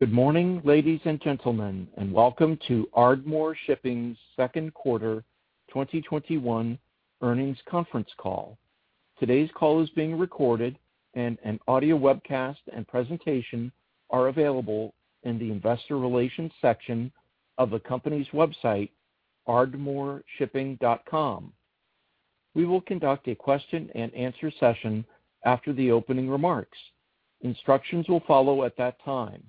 Good morning, ladies and gentlemen, welcome to Ardmore Shipping's Q2 2021 earnings conference call. Today's call is being recorded, an audio webcast and presentation are available in the investor relations section of the company's website, ardmoreshipping.com. We will conduct a question and answer session after the opening remarks. Instructions will follow at that time.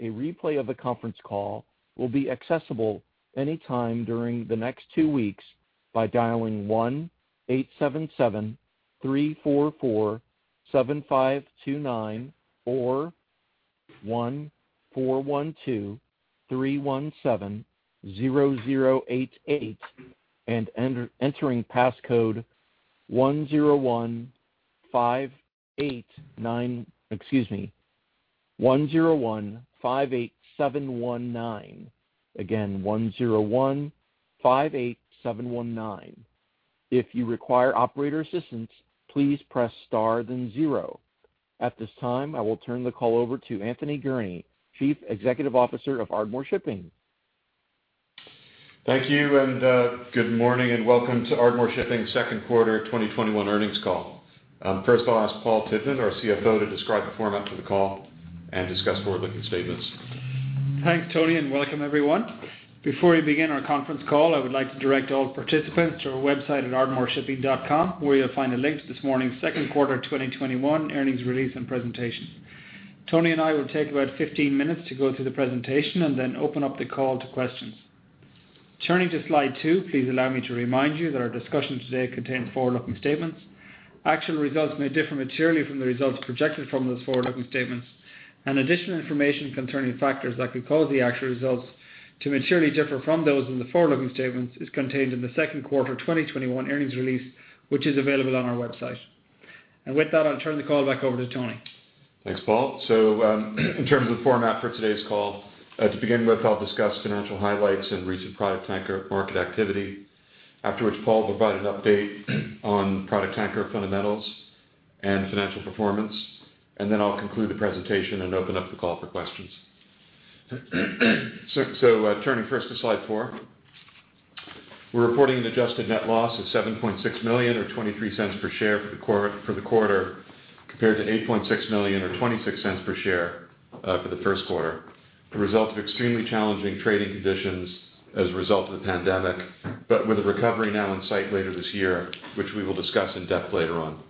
A replay of the conference call will be accessible any time during the next two weeks by dialing 1-877-344-7529 or 1-412-317-0088 and entering passcode 101589, excuse me, 10158719. Again, 10158719. If you require operator assistance, please press star then zero. At this time, I will turn the call over to Anthony Gurnee, Chief Executive Officer of Ardmore Shipping. Thank you. Good morning, and welcome to Ardmore Shipping second quarter 2021 earnings call. First of all, I ask Paul Tivnan, our Chief Financial Officer, to describe the format for the call and discuss forward-looking statements. Thanks, Anthony. Welcome everyone. Before we begin our conference call, I would like to direct all participants to our website at ardmoreshipping.com, where you'll find a link to this morning's second quarter 2021 earnings release and presentation. Anthony and I will take about 15 minutes to go through the presentation and then open up the call to questions. Turning to slide two, please allow me to remind you that our discussion today contains forward-looking statements. Actual results may differ materially from the results projected from those forward-looking statements. Additional information concerning factors that could cause the actual results to materially differ from those in the forward-looking statements is contained in the second quarter 2021 earnings release, which is available on our website. With that, I'll turn the call back over to Anthony. Thanks, Paul. In terms of the format for today's call, to begin with, I'll discuss financial highlights and recent product tanker market activity. After which, Paul Tivnan will provide an update on product tanker fundamentals and financial performance, I'll conclude the presentation and open up the call for questions. Turning first to slide four. We're reporting an adjusted net loss of $7.6 million or $0.23 per share for the quarter compared to $8.6 million or $0.26 per share for the first quarter. The result of extremely challenging trading conditions as a result of the pandemic, with a recovery now in sight later this year, which we will discuss in depth later on.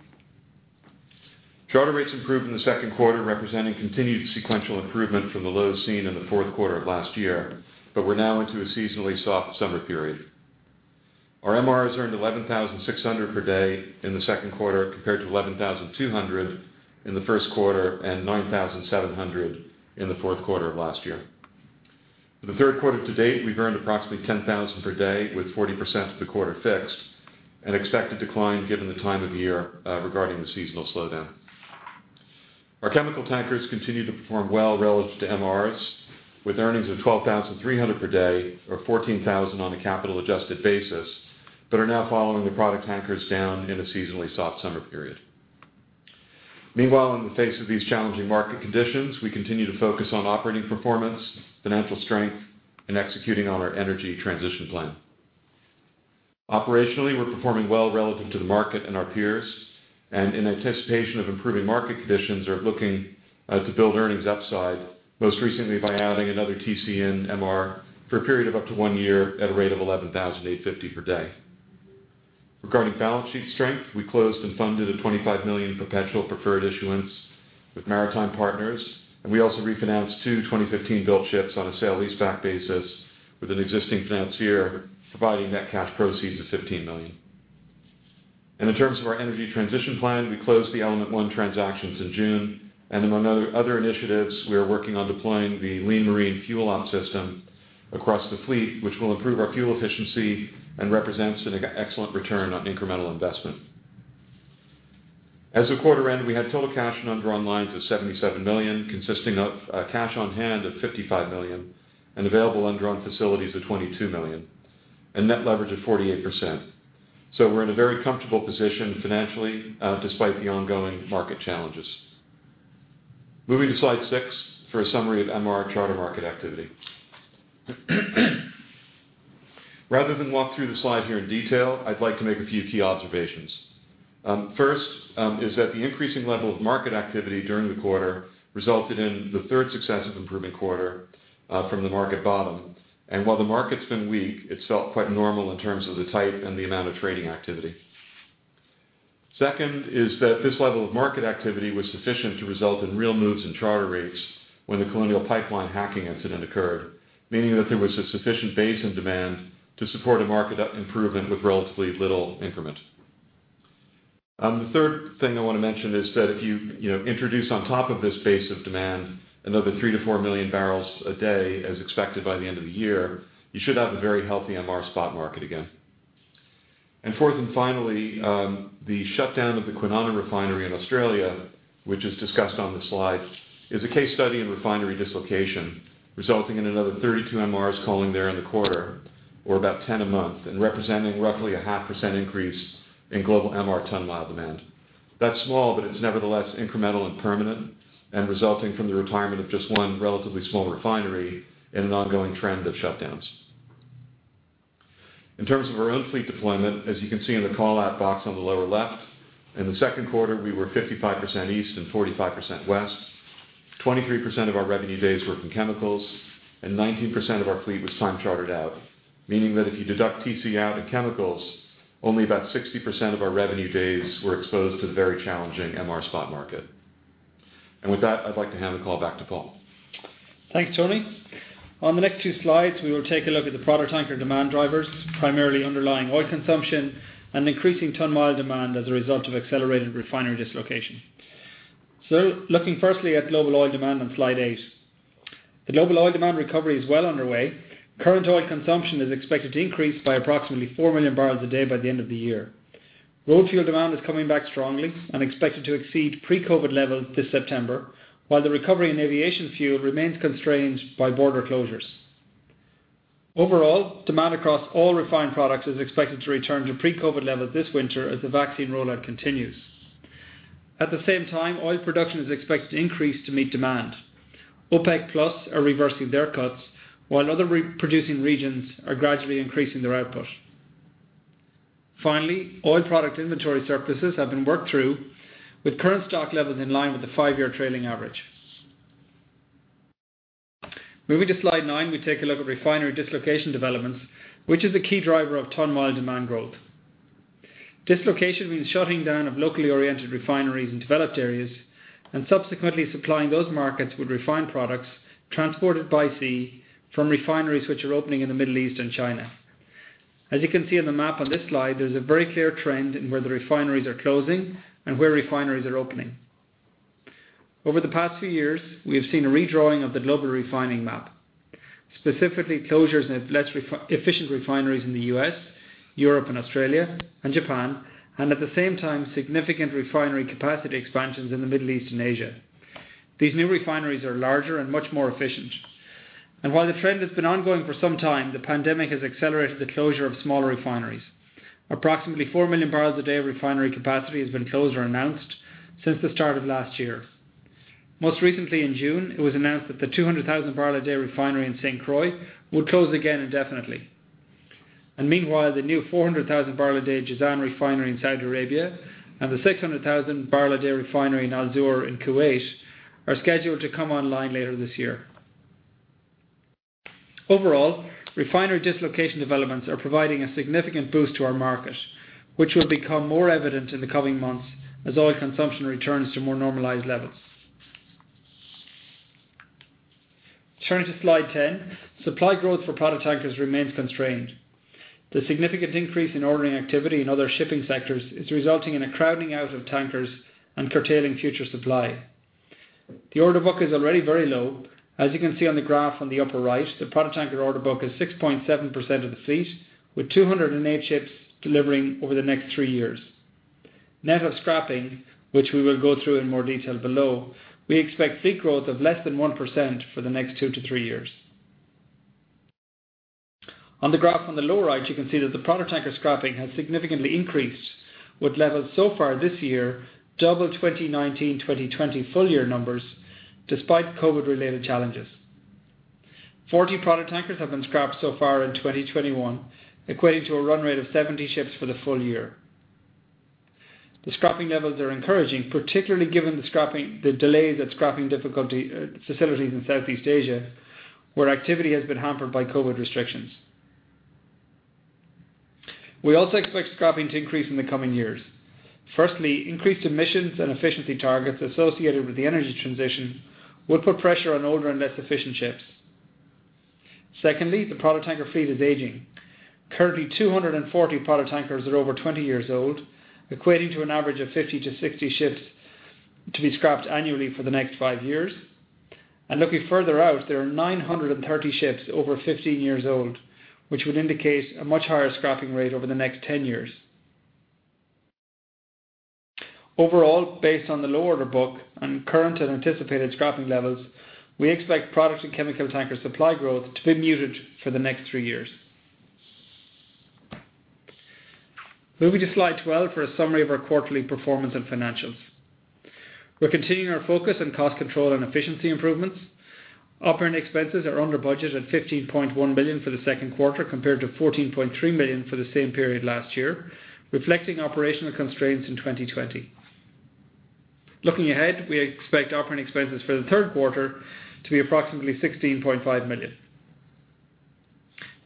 Charter rates improved in the second quarter, representing continued sequential improvement from the lows seen in the fourth quarter of last year, we're now into a seasonally soft summer period. Our MRs earned $11,600 per day in the second quarter, compared to $11,200 in the first quarter and $9,700 in the fourth quarter of last year. For the third quarter to date, we've earned approximately $10,000 per day, with 40% of the quarter fixed, an expected decline given the time of year regarding the seasonal slowdown. Our chemical tankers continue to perform well relative to MRs, with earnings of $12,300 per day or $14,000 on a capital adjusted basis, but are now following the product tankers down in a seasonally soft summer period. Meanwhile, in the face of these challenging market conditions, we continue to focus on operating performance, financial strength, and executing on our energy transition plan. Operationally, we're performing well relative to the market and our peers, in anticipation of improving market conditions are looking to build earnings upside, most recently by adding another time-chartered-in Medium Range tanker for a period of up to one year at a rate of $11,850 per day. Regarding balance sheet strength, we closed and funded a $25 million perpetual preferred issuance with Maritime Partners, we also refinanced two 2015-built ships on a sale-leaseback basis with an existing financier, providing net cash proceeds of $15 million. In terms of our energy transition plan, we closed the Element 1 transactions in June, and among other initiatives, we are working on deploying the Lean Marine FuelOpt system across the fleet, which will improve our fuel efficiency and represents an excellent return on incremental investment. As of quarter end, we had total cash and undrawn lines of $77 million, consisting of cash on-hand of $55 million and available undrawn facilities of $22 million and net leverage of 48%. We're in a very comfortable position financially, despite the ongoing market challenges. Moving to slide six for a summary of MR charter market activity. Rather than walk through the slide here in detail, I'd like to make a few key observations. First is that the increasing level of market activity during the quarter resulted in the third successive improvement quarter from the market bottom. While the market's been weak, it's felt quite normal in terms of the type and the amount of trading activity. Second is that this level of market activity was sufficient to result in real moves in charter rates when the Colonial Pipeline hacking incident occurred, meaning that there was a sufficient base in demand to support a market improvement with relatively little increment. The third thing I want to mention is that if you introduce on top of this base of demand another 3 million bbl-4 million bbl a day as expected by the end of the year, you should have a very healthy MR spot market again.mm Fourth and finally, the shutdown of the Kwinana Refinery in Australia, which is discussed on the slide, is a case study in refinery dislocation, resulting in another 32 MRs calling there in the quarter or about 10 a month and representing roughly a half % increase in global MR ton-mile demand. That's small, but it's nevertheless incremental and permanent, and resulting from the retirement of just one relatively small refinery in an ongoing trend of shutdowns. In terms of our own fleet deployment, as you can see in the call-out box on the lower left, in the second quarter, we were 55% east and 45% west. 23% of our revenue days were from chemicals, and 19% of our fleet was time chartered out, meaning that if you deduct TC out and chemicals, only about 60% of our revenue days were exposed to the very challenging MR spot market. With that, I'd like to hand the call back to Paul. Thanks, Anthony. On the next two slides, we will take a look at the product tanker demand drivers, primarily underlying oil consumption and increasing ton-mile demand as a result of accelerated refinery dislocation. Looking firstly at global oil demand on slide eight. The global oil demand recovery is well underway. Current oil consumption is expected to increase by approximately four million barrels a day by the end of the year. Road fuel demand is coming back strongly and expected to exceed pre-COVID levels this September, while the recovery in aviation fuel remains constrained by border closures. Overall, demand across all refined products is expected to return to pre-COVID levels this winter as the vaccine rollout continues. At the same time, oil production is expected to increase to meet demand. OPEC+ are reversing their cuts, while other producing regions are gradually increasing their output. Finally, oil product inventory surpluses have been worked through with current stock levels in line with the five-year trailing average. Moving to slide nine, we take a look at refinery dislocation developments, which is the key driver of ton-mile demand growth. Dislocation means shutting down of locally oriented refineries in developed areas, and subsequently supplying those markets with refined products transported by sea from refineries which are opening in the Middle East and China. As you can see on the map on this slide, there's a very clear trend in where the refineries are closing and where refineries are opening. Over the past few years, we have seen a redrawing of the global refining map, specifically closures in less efficient refineries in the U.S., Europe and Australia, and Japan. At the same time, significant refinery capacity expansions in the Middle East and Asia. These new refineries are larger and much more efficient. While the trend has been ongoing for some time, the pandemic has accelerated the closure of smaller refineries. Approximately 4 million bbl a day of refinery capacity has been closed or announced since the start of last year. Most recently in June, it was announced that the 200,000 bbl a day refinery in St. Croix would close again indefinitely. Meanwhile, the new 400,000 bbl a day Jizan refinery in Saudi Arabia and the 600,000 bbl a day refinery in Al Zour in Kuwait are scheduled to come online later this year. Overall, refinery dislocation developments are providing a significant boost to our market, which will become more evident in the coming months as oil consumption returns to more normalized levels. Turning to slide 10, supply growth for product tankers remains constrained. The significant increase in ordering activity in other shipping sectors is resulting in a crowding out of tankers and curtailing future supply. The order book is already very low. As you can see on the graph on the upper right, the product tanker order book is 6.7% of the fleet, with 208 ships delivering over the next three years. Net of scrapping, which we will go through in more detail below, we expect fleet growth of less than 1% for the next two to three years. On the graph on the lower right, you can see that the product tanker scrapping has significantly increased with levels so far this year, double 2019, 2020 full year numbers despite COVID-related challenges. 40 product tankers have been scrapped so far in 2021, equating to a run rate of 70 ships for the full year. The scrapping levels are encouraging, particularly given the delays at scrapping facilities in Southeast Asia, where activity has been hampered by COVID restrictions. We also expect scrapping to increase in the coming years. Firstly, increased emissions and efficiency targets associated with the energy transition will put pressure on older and less efficient ships. Secondly, the product tanker fleet is aging. Currently, 240 product tankers are over 20 years old, equating to an average of 50-60 ships to be scrapped annually for the next five years. Looking further out, there are 930 ships over 15 years old, which would indicate a much higher scrapping rate over the next 10 years. Overall, based on the low order book and current and anticipated scrapping levels, we expect products and chemical tanker supply growth to be muted for the next three years. Moving to slide 12 for a summary of our quarterly performance and financials. We're continuing our focus on cost control and efficiency improvements. Operating expenses are under budget at $15.1 million for the second quarter compared to $14.3 million for the same period last year, reflecting operational constraints in 2020. Looking ahead, we expect operating expenses for the third quarter to be approximately $16.5 million.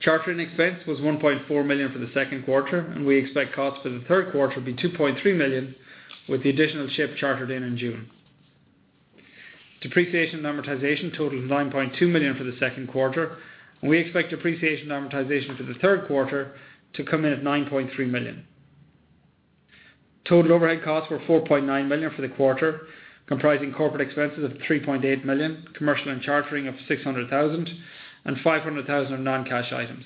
Charter-in expense was $1.4 million for the second quarter, and we expect costs for the third quarter to be $2.3 million with the additional ship chartered in in June. Depreciation and amortization totaled $9.2 million for the second quarter, and we expect depreciation and amortization for the third quarter to come in at $9.3 million. Total overhead costs were $4.9 million for the quarter, comprising corporate expenses of $3.8 million, commercial and chartering of $600,000, and $500,000 of non-cash items.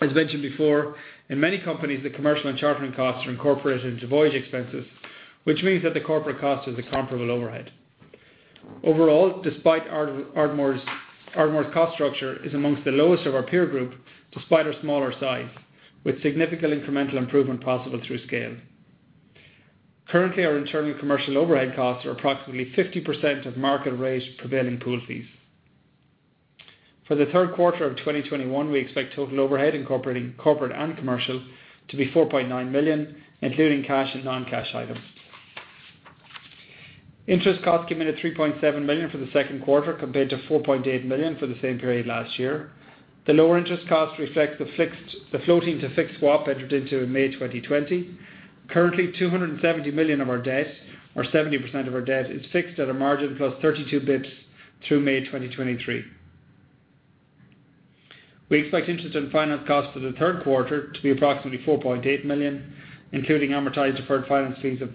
As mentioned before, in many companies, the commercial and chartering costs are incorporated into voyage expenses, which means that the corporate cost is a comparable overhead. Overall, Ardmore's cost structure is amongst the lowest of our peer group despite our smaller size, with significant incremental improvement possible through scale. Currently, our internal commercial overhead costs are approximately 50% of market rate prevailing pool fees. For the third quarter of 2021, we expect total overhead, incorporating corporate and commercial, to be $4.9 million, including cash and non-cash items. Interest costs came in at $3.7 million for the second quarter, compared to $4.8 million for the same period last year. The lower interest cost reflects the floating to fixed swap entered into in May 2020. Currently, $270 million of our debt, or 70% of our debt, is fixed at a margin plus 32 bps through May 2023. We expect interest and finance costs for the third quarter to be approximately $4.8 million, including amortized deferred finance fees of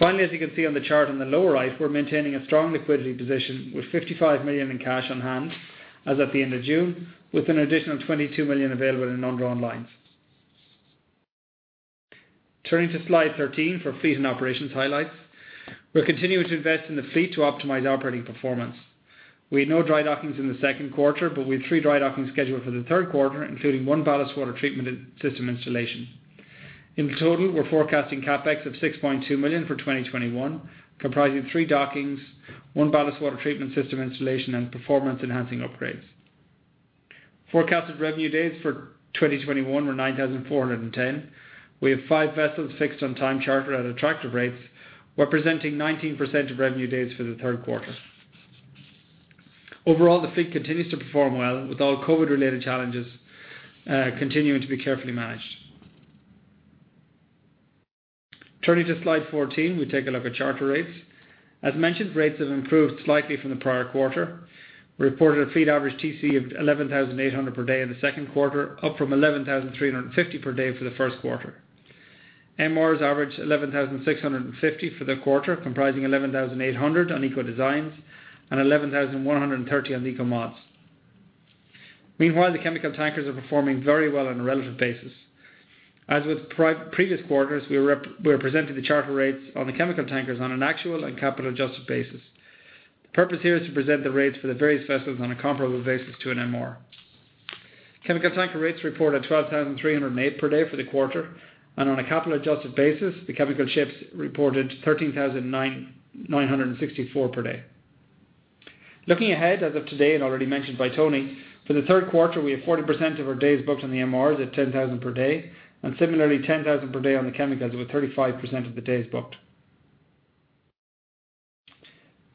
$460,000. As you can see on the chart on the lower right, we're maintaining a strong liquidity position with $55 million in cash on hand as at the end of June, with an additional $22 million available in undrawn lines. Turning to slide 13 for fleet and operations highlights. We're continuing to invest in the fleet to optimize operating performance. We had no dry dockings in the second quarter, but we have three dry dockings scheduled for the third quarter, including one ballast water treatment system installation. In total, we're forecasting CapEx of $6.2 million for 2021, comprising three dockings, one ballast water treatment system installation, and performance-enhancing upgrades. Forecasted revenue days for 2021 were 9,410. We have five vessels fixed on time charter at attractive rates, representing 19% of revenue days for the third quarter. Overall, the fleet continues to perform well, with all COVID-related challenges continuing to be carefully managed. Turning to slide 14, we take a look at charter rates. As mentioned, rates have improved slightly from the prior quarter. We reported a fleet average TC of $11,800 per day in the second quarter, up from $11,350 per day for the first quarter. MRs averaged $11,650 for the quarter, comprising $11,800 on Eco-designs and $11,130 on Eco mods. Meanwhile, the chemical tankers are performing very well on a relative basis. As with previous quarters, we are presenting the charter rates on the chemical tankers on an actual and capital adjusted basis. The purpose here is to present the rates for the various vessels on a comparable basis to an MR. Chemical tanker rates report at $12,308 per day for the quarter, and on a capital adjusted basis, the chemical ships reported $13,964 per day. Looking ahead, as of today, and already mentioned by Anthony, for the third quarter, we have 40% of our days booked on the MRs at $10,000 per day and similarly $10,000 per day on the chemicals with 35% of the days booked.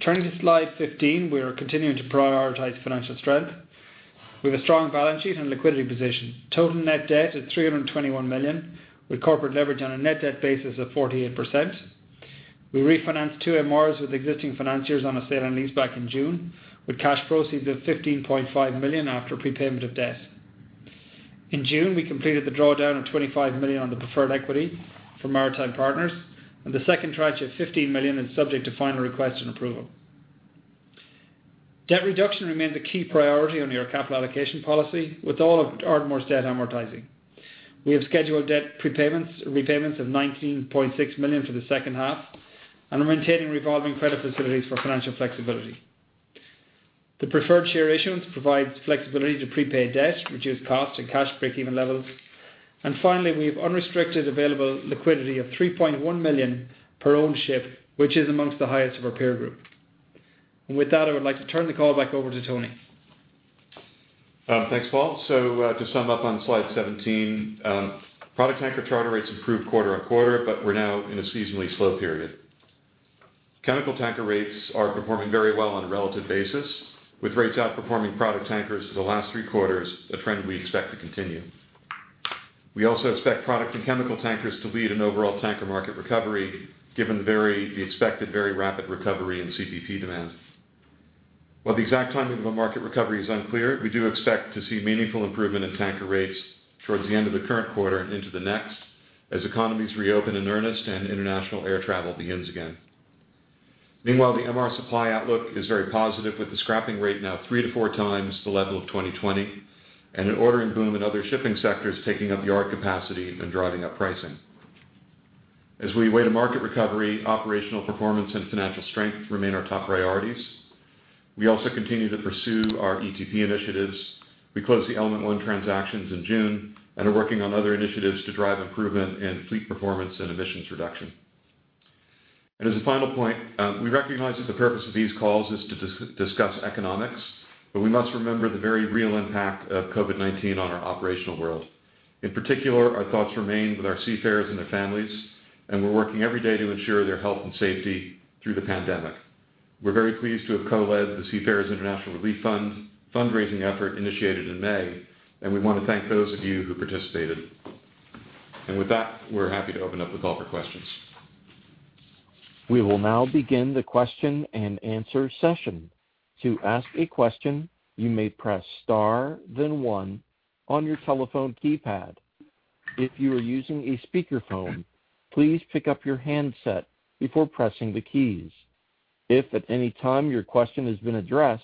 Turning to slide 15. We are continuing to prioritize financial strength. We have a strong balance sheet and liquidity position. Total net debt is $321 million, with corporate leverage on a net debt basis of 48%. We refinanced two MRs with existing financiers on a sale-leaseback in June, with cash proceeds of $15.5 million after prepayment of debt. In June, we completed the drawdown of $25 million on the preferred equity from Maritime Partners. The second tranche of $15 million is subject to final request and approval. Debt reduction remains a key priority under our capital allocation policy, with all of Ardmore's debt amortizing. We have scheduled debt prepayments, repayments of $19.6 million for the second half and are maintaining revolving credit facilities for financial flexibility. The preferred share issuance provides flexibility to prepay debt, reduce costs and cash breakeven levels. Finally, we have unrestricted available liquidity of $3.1 million per owned ship, which is amongst the highest of our peer group. With that, I would like to turn the call back over to Anthony. Thanks, Paul. To sum up on slide 17, product tanker charter rates improved quarter on quarter, but we're now in a seasonally slow period. Chemical tanker rates are performing very well on a relative basis, with rates outperforming product tankers for the last three quarters, a trend we expect to continue. We also expect product and chemical tankers to lead an overall tanker market recovery given the expected very rapid recovery in Clean Petroleum Products demand. While the exact timing of a market recovery is unclear, we do expect to see meaningful improvement in tanker rates towards the end of the current quarter and into the next, as economies reopen in earnest and international air travel begins again. Meanwhile, the MR supply outlook is very positive, with the scrapping rate now 3x-4x the level of 2020, and an ordering boom in other shipping sectors taking up yard capacity and driving up pricing. As we await a market recovery, operational performance and financial strength remain our top priorities. We also continue to pursue our Energy Transition Plan initiatives. We closed the Element 1 transactions in June and are working on other initiatives to drive improvement in fleet performance and emissions reduction. As a final point, we recognize that the purpose of these calls is to discuss economics, but we must remember the very real impact of COVID-19 on our operational world. In particular, our thoughts remain with our seafarers and their families, and we're working every day to ensure their health and safety through the pandemic. We're very pleased to have co-led the Seafarers' International Relief Fund fundraising effort initiated in May, and we want to thank those of you who participated. With that, we're happy to open up the call for questions. We will now begin the question and answer session. To ask a question, you may press star then one on your telephone keypad. If you are using a speakerphone, please pick up your handset before pressing the keys. If at any time your question has been addressed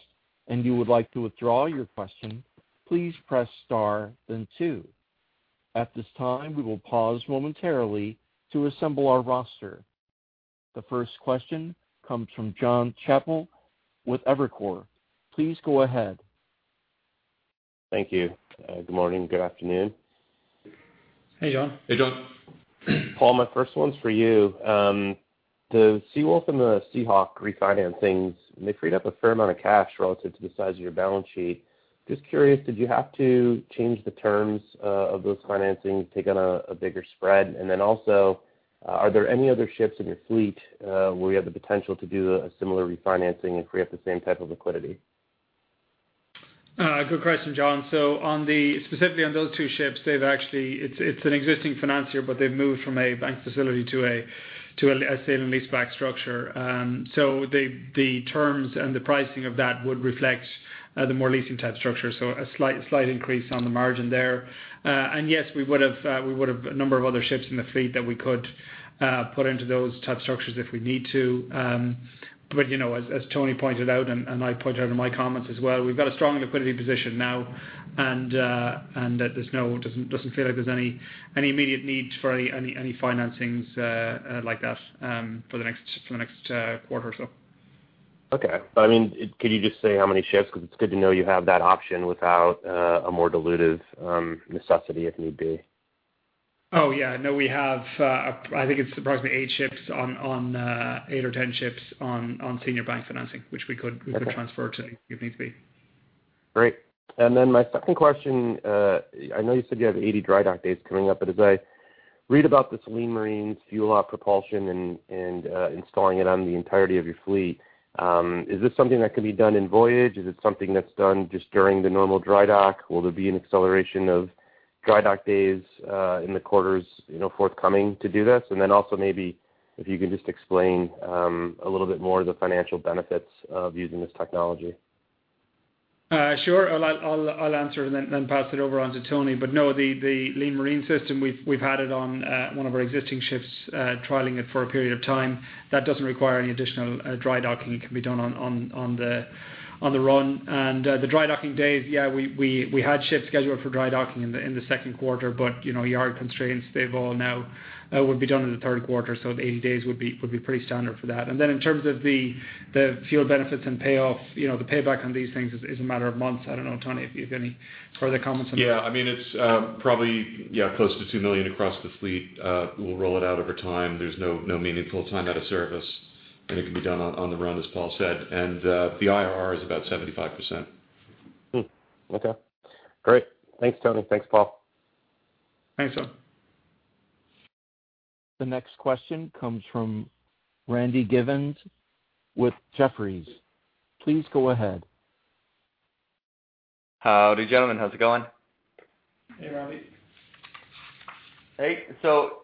and you would like to withdraw your question, please press star then two. At this time, we will pause momentarily to assemble our roster. The first question comes from Jon Chappell with Evercore ISI. Please go ahead. Thank you. Good morning. Good afternoon. Hey, Jon. Hey, Jon. Paul, my first one's for you. The Ardmore Seawolf and the Ardmore Seahawk refinancings. They freed up a fair amount of cash relative to the size of your balance sheet. Just curious, did you have to change the terms of those financings, take on a bigger spread? Then also, are there any other ships in your fleet, where you have the potential to do a similar refinancing and free up the same type of liquidity? Good question, Jon. Specifically on those two ships, it's an existing financier, but they've moved from a bank facility to a sale-leaseback structure. The terms and the pricing of that would reflect the more leasing-type structure. A slight increase on the margin there. Yes, we would've a number of other ships in the fleet that we could put into those type structures if we need to. As Anthony pointed out, and I pointed out in my comments as well, we've got a strong liquidity position now, and that it doesn't feel like there's any immediate need for any financings like that for the next quarter or so. Okay. Could you just say how many ships? It's good to know you have that option without a more dilutive necessity if need be. Oh, yeah. No, we have, I think it's approximately eight or 10 ships on senior bank financing which we could transfer to if need be. Great. My second question. I know you said you have 80 dry dock days coming up, as I read about this Lean Marine FuelOpt system and installing it on the entirety of your fleet, is this something that can be done in voyage? Is it something that's done just during the normal dry dock? Will there be an acceleration of dry dock days in the quarters forthcoming to do this? Maybe if you can just explain a little bit more the financial benefits of using this technology. Sure. I'll answer and then pass it over on Anthony. No, the Lean Marine system, we've had it on one of our existing ships, trialing it for a period of time. That doesn't require any additional dry docking. It can be done on the run. The dry docking days, yeah, we had ships scheduled for dry docking in the second quarter. Yard constraints, they all now would be done in the third quarter. The 80 days would be pretty standard for that. In terms of the fuel benefits and payoffs, the payback on these things is a matter of months. I don't know, Anthony, if you have any further comments on that. Yeah, it's probably close to $2 million across the fleet. We'll roll it out over time. There's no meaningful time out of service, and it can be done on the run, as Paul said. The IRR is about 75%. Okay, great. Thanks, Anthony. Thanks, Paul. Thanks, Jon. The next question comes from Randy Giveans with Jefferies. Please go ahead. Howdy, gentlemen. How's it going? Hey, Randy. Hey.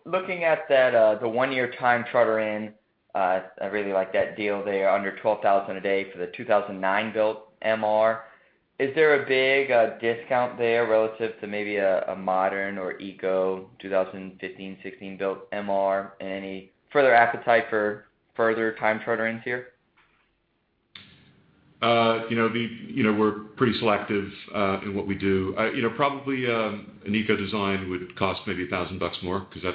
Looking at the one-year time charter in, I really like that deal there, under $12,000 a day for the 2009 built MR. Is there a big discount there relative to maybe a modern or eco 2015, 2016 built MR? Any further appetite for further time charter ins here? We're pretty selective in what we do. Probably an Eco-design would cost maybe $1,000 more because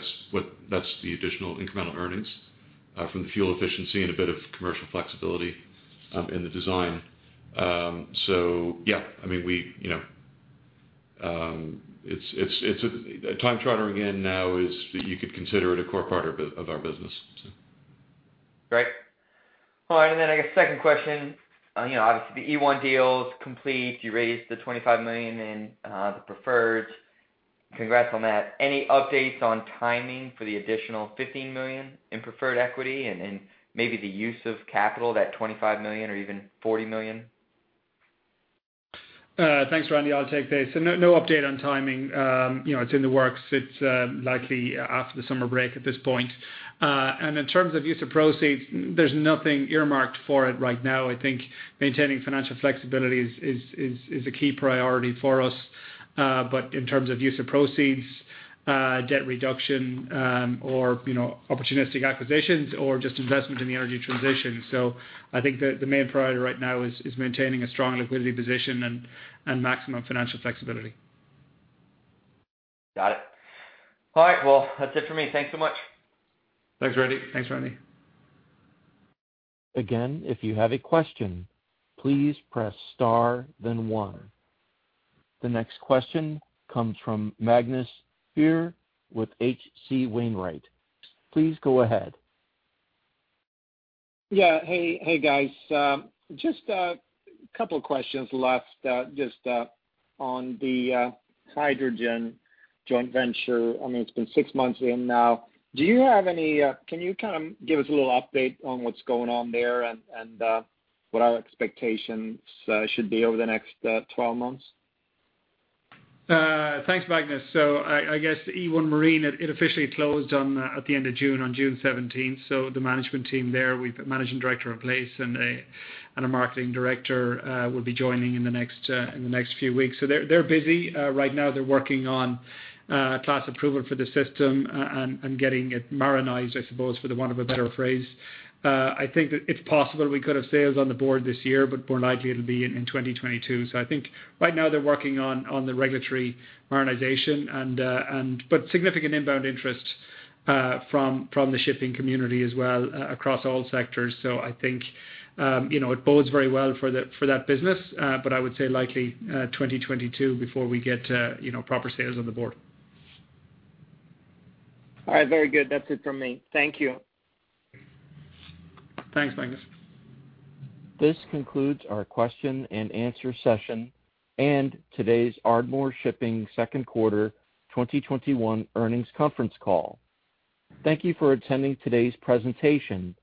that's the additional incremental earnings from the fuel efficiency and a bit of commercial flexibility in the design. Yeah, time chartering in now, you could consider it a core part of our business. Great. All right, then I guess second question. Obviously, the E1 deal is complete. You raised the $25 million in the preferred. Congrats on that. Any updates on timing for the additional $15 million in preferred equity and in maybe the use of capital, that $25 million or even $40 million? Thanks, Randy. I'll take this. No update on timing. It's in the works. It's likely after the summer break at this point. In terms of use of proceeds, there's nothing earmarked for it right now. I think maintaining financial flexibility is a key priority for us. In terms of use of proceeds, debt reduction or opportunistic acquisitions or just investment in the energy transition. I think that the main priority right now is maintaining a strong liquidity position and maximum financial flexibility. Got it. All right, well, that's it for me. Thanks so much. Thanks, Randy. Thanks, Randy. Again, if you have a question, please press star then one. The next question comes from Magnus Fyhr with H.C. Wainwright. Please go ahead. Yeah. Hey, guys. Just a couple of questions left just on the hydrogen joint venture. It's been six months in now. Can you kind of give us a little update on what's going on there and what our expectations should be over the next 12 months? Thanks, Magnus. I guess e1 Marine, it officially closed at the end of June, on June 17th. The management team there, we put a managing director in place, and a marketing director will be joining in the next few weeks. They're busy. Right now they're working on class approval for the system and getting it marinized, I suppose, for the want of a better phrase. I think that it's possible we could have sales on the board this year, but more likely it'll be in 2022. I think right now they're working on the regulatory marinization. Significant inbound interest from the shipping community as well across all sectors. I think it bodes very well for that business. I would say likely 2022 before we get proper sales on the board. All right, very good. That's it from me. Thank you. Thanks, Magnus. This concludes our question-and-answer session and today's Ardmore Shipping second quarter 2021 earnings conference call. Thank you for attending today's presentation.